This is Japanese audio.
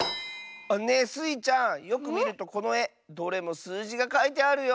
ねえスイちゃんよくみるとこのえどれもすうじがかいてあるよ！